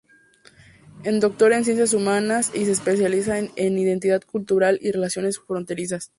Es Doctor en Ciencias Humanas y se especializa en identidad cultural y relaciones fronterizas.